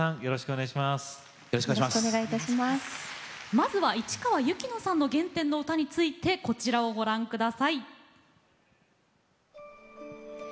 まずは市川由紀乃さんの原点の歌についてこちらをご覧下さい。